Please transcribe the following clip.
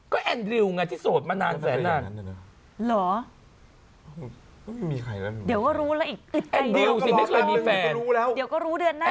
ก็แอนดริวไงที่โสดมานานแสนนานเหรอเดี๋ยวก็รู้แล้วอีกแอนดริวสิไม่เคยมีแฟนเดี๋ยวก็รู้เดือนหน้า